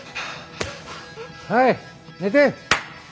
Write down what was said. はい寝て。